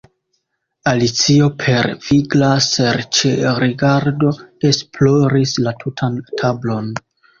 Alicio per vigla serĉrigardo esploris la tutan tablon.